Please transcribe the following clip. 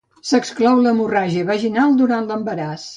S'exclou l'hemorràgia vaginal durant l'embaràs.